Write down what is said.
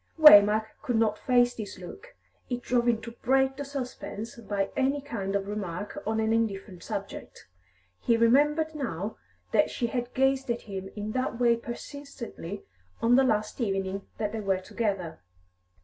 Waymark could not face this look; it drove him to break the suspense by any kind of remark on an indifferent subject. He remembered now that she had gazed at him in that way persistently on the last evening that they were together.